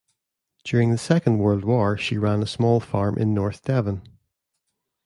During the second world war, she ran a small farm in North Devon.